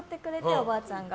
おばあちゃんが。